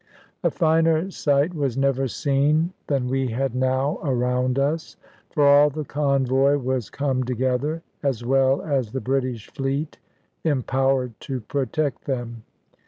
A finer sight was never seen than we had now around us; for all the convoy was come together, as well as the British fleet empowered to protect them.